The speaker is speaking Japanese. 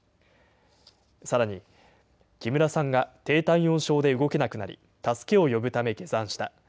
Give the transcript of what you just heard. さらに、木村さんが低体温症で動けなくなり、助けを呼ぶため下山した。